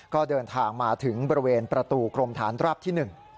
ก็เดินทางมาถึงบริเวณประตูกรมฐานราบที่๑